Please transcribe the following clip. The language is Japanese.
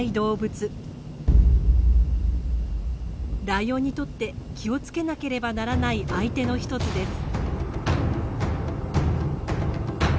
ライオンにとって気を付けなければならない相手の一つです。